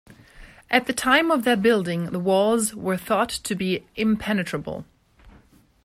At the time of their building, the walls were thought to be impenetrable.